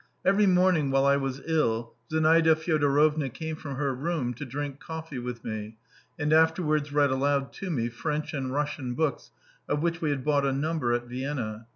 Every morning while I was ill Zinaida Fyodorovna came from her room to drink coffee with me, and afterwards read aloud to me French and Russian books, of which we had bought a number at Vienna.